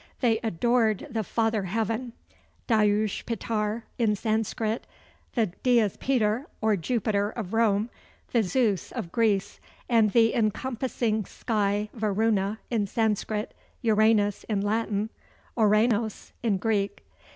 They adored the Father heaven, Dyaush pitar in Sanscrit, the Dies piter or Jupiter of Rome, the Zeus of Greece; and the Encompassing Sky Varuna in Sanscrit, Uranus in Latin, Ouranos in Greek.